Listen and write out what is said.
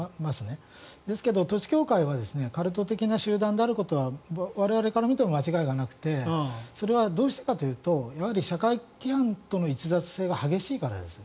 ですけど、統一教会はカルト的な集団であることは我々から見ても間違いがなくてそれはどうしてかというと社会規範との逸脱性が激しいからです。